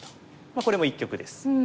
これも一局です。